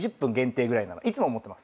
いつも思ってます。